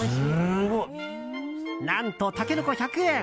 何と、タケノコ１００円！